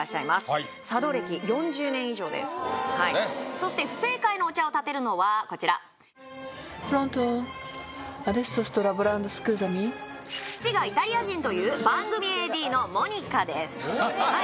そして不正解のお茶をたてるのはこちら父がイタリア人という番組ＡＤのＭＯＮＩＣＡですははは